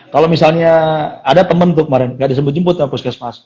kalau misalnya ada temen tuh kemarin gak dijemput jemput ke puskesmas